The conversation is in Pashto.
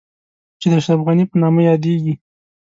چې د اشرف غني په نامه يادېږي.